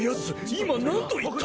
今何と言った！？